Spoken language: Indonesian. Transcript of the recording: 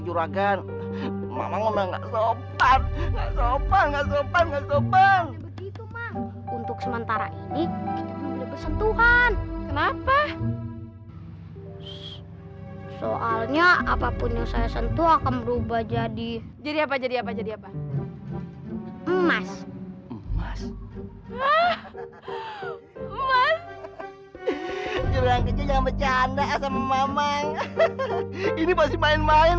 jadi orang kaya kasih kasih